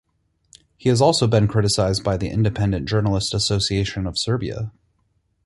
He has also been criticized by the Independent Journalist Association of Serbia.